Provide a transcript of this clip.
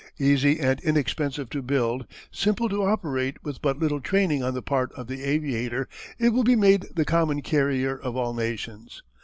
Easy and inexpensive to build, simple to operate with but little training on the part of the aviator, it will be made the common carrier of all nations.